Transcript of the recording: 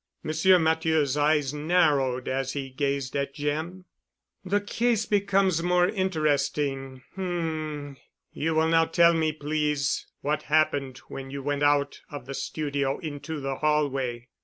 Monsieur Matthieu's eyes narrowed as he gazed at Jim. "The case becomes more interesting. H m. You will now tell me, please, what happened when you went out of the studio into the hallway."